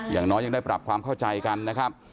อย่างน้อยยังได้ปรับความเข้าใจกันนะครับ